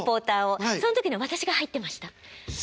その時ね私が入ってました。